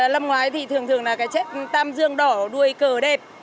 lâm ngoái thì thường thường là cá chép tam dương đỏ đuôi cờ đẹp